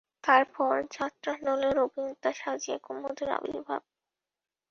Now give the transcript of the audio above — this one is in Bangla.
তারপর যাত্রাদলের অভিনেতা সাজিয়া কুমুদের আবির্ভাব।